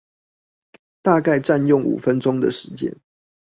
大概占用五分鐘的時間